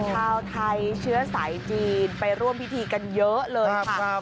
ชาวไทยเชื้อสายจีนไปร่วมพิธีกันเยอะเลยค่ะ